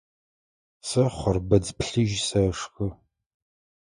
Сэ хъырбыдз плъыжь сэшхы.